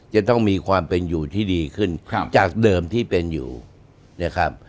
จะต้องมีความเป็นอยู่ที่ดีขึ้นจากเดิมที่เป็นอยู่นะครับ